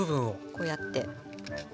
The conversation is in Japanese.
こうやって。